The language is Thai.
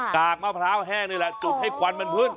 กากมาพร้าวแห้งเรื่อยแล้วจุดให้ขวันมันพึ่ง